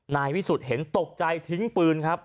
นายวิสุทธิ์เห็นตกใจทิ้งปืนครับ